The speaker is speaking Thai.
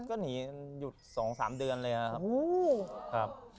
ก็หนีสองสามเดือนเลยครับ